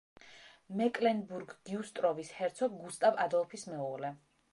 მეკლენბურგ-გიუსტროვის ჰერცოგ გუსტავ ადოლფის მეუღლე.